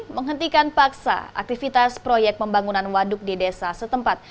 menghentikan paksa aktivitas proyek pembangunan waduk di desa setempat